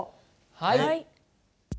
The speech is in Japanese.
はい。